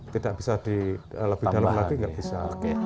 tidak bisa lebih dalam lagi nggak bisa